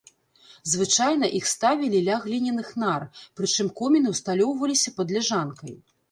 Звычайна іх ставілі ля гліняных нар, прычым коміны ўсталёўваліся пад ляжанкай.